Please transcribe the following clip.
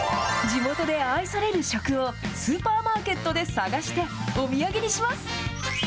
地元で愛される食を、スーパーマーケットで探して、お土産にします。